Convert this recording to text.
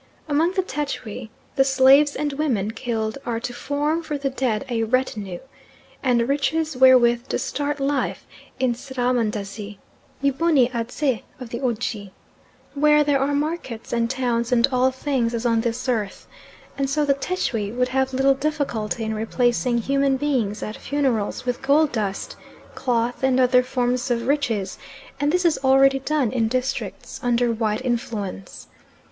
Among the Tschwi the slaves and women killed are to form for the dead a retinue, and riches wherewith to start life in Srahmandazi (Yboniadse of the Oji), where there are markets and towns and all things as on this earth, and so the Tschwi would have little difficulty in replacing human beings at funerals with gold dust, cloth, and other forms of riches, and this is already done in districts under white influence.